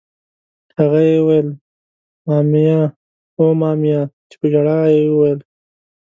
هغه یې ویل: مامیا! اوه ماما میا! چې په ژړا یې وویل.